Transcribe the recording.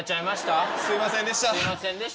すいませんでした。